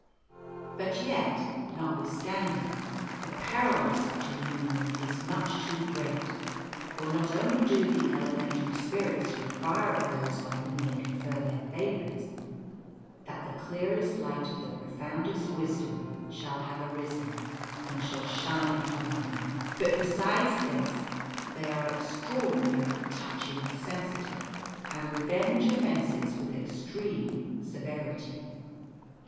But yet, notwithstanding, the peril of such a union is much too great, for not only do the elementary spirits require of those on whom they confer their favours that the clearest light of the profoundest wisdom shall have arisen and shall shine upon them, but besides this they are extraordinarily touchy and sensitive, and revenge offences with extreme severity.